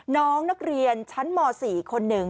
น้องนักเรียนชั้นม๔คนหนึ่ง